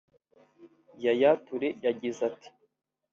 Yaya Toure yagize ati